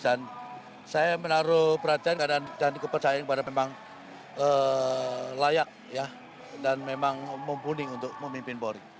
dan saya menaruh perhatian dan kepercayaan kepada memang layak dan memang mumpuni untuk memimpin polri